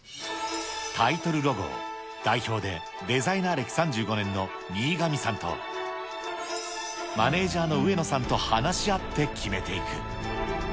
タイトルロゴを、代表でデザイナー歴３５年の新上さんと、マネージャーの上野さんと話し合って決めていく。